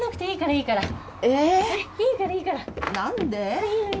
いいからいいから。